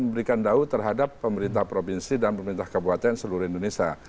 memberikan dau terhadap pemerintah provinsi dan pemerintah kabupaten seluruh indonesia